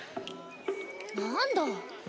なんだ。